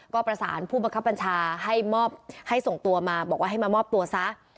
ก็ประสานผู้บังคับบัญชาให้ส่งตัวมาบอกว่าให้มามอบตัวซะ